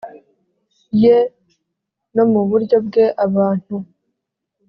ye no mu buryo bwe Abantu